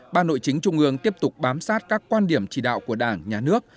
ban nội chính trung ương tiếp tục bám sát các quan điểm chỉ đạo của đảng nhà nước